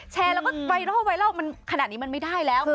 แชร์แล้วก็ไว้เล่าขนาดนี้มันไม่ได้แล้ว